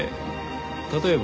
ええ。